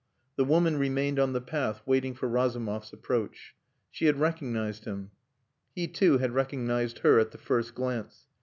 The woman remained on the path waiting for Razumov's approach. She had recognized him. He, too, had recognized her at the first glance.